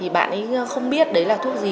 bạn ấy không biết đấy là thuốc gì